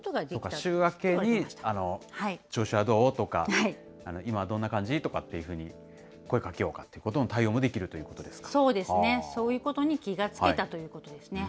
そっか、週明けに調子はどう？とか、今、どんな感じとか声かけようかということの対応もできるということそうですね、そういうことに気が付けたということですね。